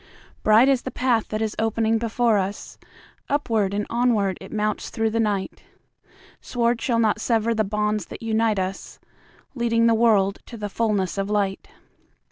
Bright is the path that is opening before us, Upward and onward it mounts through the night:Sword shall not sever the bonds that unite usLeading the world to the fullness of light.